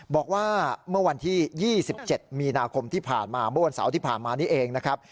บอกว่าเมื่อวันที่๒๗มีนาคมที่ผ่านมาเมื่อวันเสาร์ที่ผ่านมานี้เองนะครับ